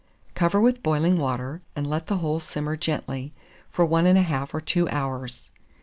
Cover with boiling water, and let the whole simmer gently for 1 1/2 or 2 hours.